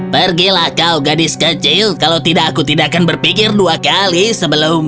pergilah kau gadis kecil kalau tidak aku tidak akan berpikir dua kali sebelum